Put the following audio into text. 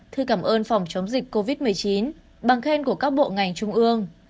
thư cảm ơn phòng chống dịch covid một mươi chín bằng khen của các bộ ngành trung ương